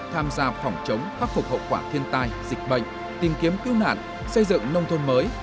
tham gia phòng chống khắc phục hậu quả thiên tai dịch bệnh tìm kiếm cứu nạn xây dựng nông thôn mới